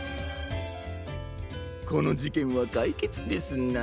このじけんはかいけつですな。